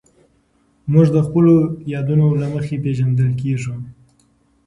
موږ د خپلو یادونو له مخې پېژندل کېږو.